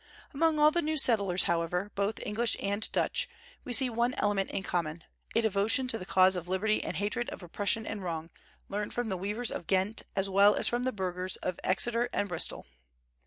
Among all the new settlers, however, both English and Dutch, we see one element in common, devotion to the cause of liberty and hatred of oppression and wrong, learned from the weavers of Ghent as well as from the burghers of Exeter and Bristol.